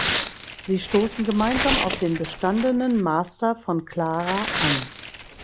Sie stoßen gemeinsam auf den bestandenen Master von Clara an.